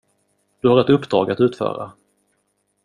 Du har ett uppdrag att utföra.